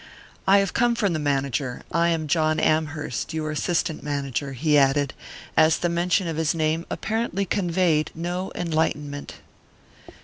"I have come from the manager; I am John Amherst your assistant manager," he added, as the mention of his name apparently conveyed no enlightenment.